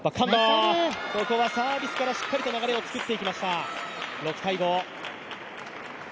ここはサービスからしっかりと流れを作っていきました。